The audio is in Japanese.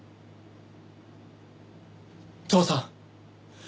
父さん。